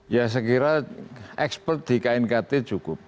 karena ekspert di knkt cukup